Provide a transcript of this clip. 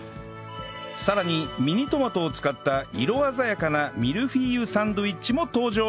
さらにミニトマトを使った色鮮やかなミルフィーユサンドウィッチも登場